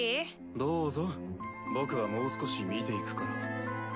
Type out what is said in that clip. どうぞ僕はもう少し見ていくから。